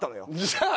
じゃあ